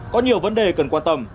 có nhiều vấn đề cần quan tâm